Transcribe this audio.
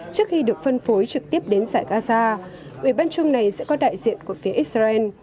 trước khi được phân phối trực tiếp đến giải gaza ủy ban chung này sẽ có đại diện của phía israel